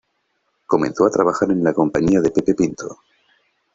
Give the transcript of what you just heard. Comenzó a trabajar en la compañía de Pepe Pinto.